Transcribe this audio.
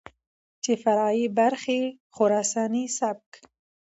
چې فرعي برخې خراساني سبک،